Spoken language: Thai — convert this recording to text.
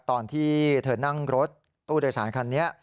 ตอนที่เธอนั่งรถตู้โดยสารคันนี้